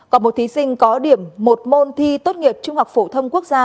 còn một thí sinh có điểm một môn thi tốt nghiệp trung học phổ thông quốc gia